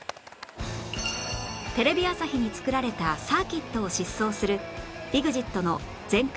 テレビ朝日に作られたサーキットを疾走する「ＥＸＩＴ の全開！！